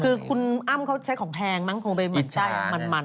คือคุณอ้ำเขาใช้ของแพงมันก็มันมัน